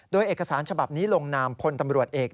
โดยเอกสารฉบับนี้ลงนามพลตำรวจเอก